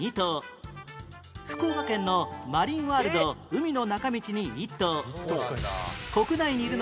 福岡県のマリンワールド海の中道に１頭